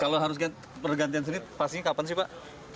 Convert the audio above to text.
kalau harus pergantian sendiri pastinya kapan sih pak